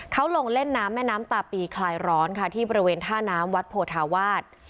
เขาลงเล่นน้ำแม่น้ำตาปีคลายร้อนค่ะที่บริเวณท่าน้ำวัดโพธาวาส